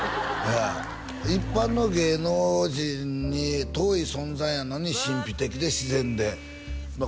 一般の芸能人に遠い存在やのに神秘的で自然でまあ